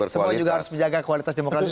semua juga harus menjaga kualitas demokrasi